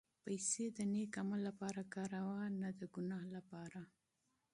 پېسې د نېک عمل لپاره وکاروه، نه د ګناه لپاره.